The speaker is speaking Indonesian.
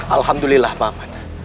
alhamdulillah pak aman